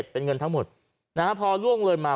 ๕๗๐๐เป็นเงินทั้งหมดนะฮะพอล่วงเลยมา